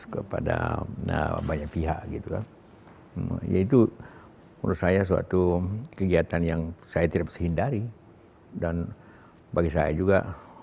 kepada nah banyak pihak gitu ya itu menurut saya suatu kegiatan yang saya tidak sehindari dan bagi saya juga